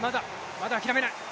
まだ諦めない！